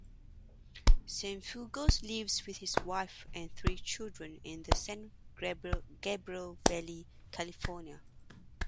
Cienfuegos lives with his wife and three children in the San Gabriel Valley, California.